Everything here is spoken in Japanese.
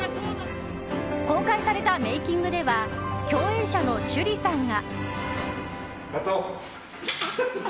公開されたメイキングでは共演者の趣里さんが。